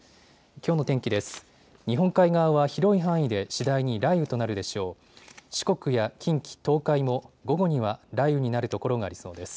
きょうの天気です。